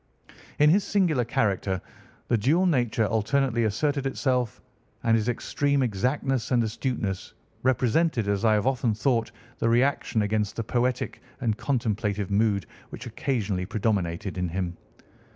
In his singular character the dual nature alternately asserted itself, and his extreme exactness and astuteness represented, as I have often thought, the reaction against the poetic and contemplative mood which occasionally predominated in him.